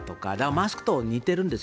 マスクと似てるんです。